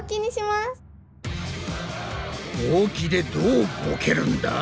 ほうきでどうボケるんだ？